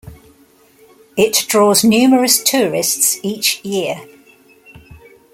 It draws numerous tourists each year.